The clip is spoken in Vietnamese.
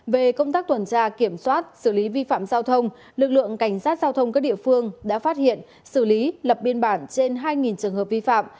về công tác tuần tra kiểm soát xử lý vi phạm giao thông lực lượng cảnh sát giao thông các địa phương đã phát hiện xử lý lập biên bản trên hai trường hợp vi phạm